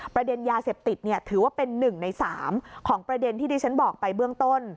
ประเด็นยาเสพติดถือว่าเป็น๑ใน๓ของประเด็นที่ดิฉันบอกไปเบื้องต้น